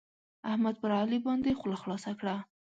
احمد پر علي باندې خوله خلاصه کړه.